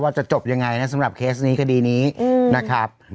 จะจบยังไงนะสำหรับเคสนี้คดีนี้นะครับ